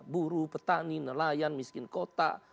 buruh petani nelayan miskin kota